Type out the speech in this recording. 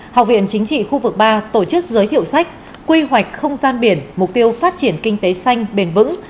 học viện chính trị khu vực ba tổ chức giới thiệu sách quy hoạch không gian biển mục tiêu phát triển kinh tế xanh bền vững